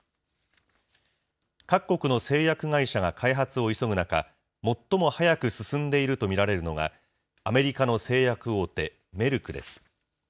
各国の製薬会社が開発を急ぐ中、最も早く進んでいると見られるのが、アメリカの製薬大手、メルクです。